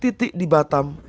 tiga titik di batam